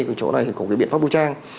cái chỗ này của cái biện pháp vũ trang